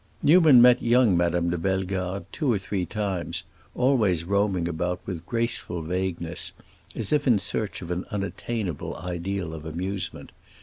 Newman met young Madame de Bellegarde two or three times, always roaming about with graceful vagueness, as if in search of an unattainable ideal of amusement.